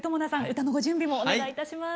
歌のご準備もお願いいたします。